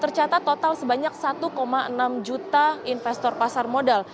tercatat total sebanyak satu enam juta investor pasar modal